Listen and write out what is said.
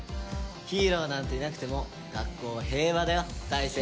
ヒーローなんていなくても学校は平和だよ大成。